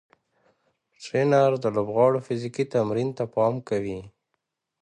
ټرېنر د لوبغاړو فزیکي تمرین ته پام کوي.